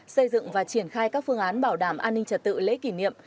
xây dựng và triển khai các phương án bảo đảm an ninh trật tự lễ kỷ niệm